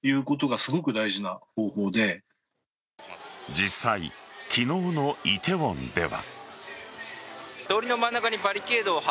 実際、昨日の梨泰院では。